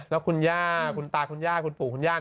แล้วคุณย่าคุณตาคุณย่าคุณปู่คุณย่า